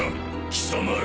貴様ら。